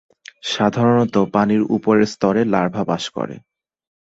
সাধারণত পানির উপরের স্তরে লার্ভা বাস করে।